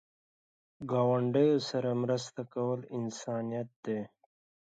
ګاونډي سره مرسته کول انسانیت دی